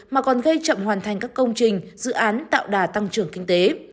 mà còn gây chậm hoàn thành các công trình dự án tạo đà tăng trưởng kinh tế